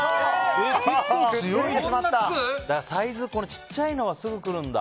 小さいのはすぐ来るんだ。